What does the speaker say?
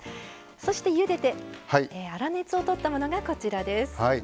そして、ゆでて粗熱をとったものです。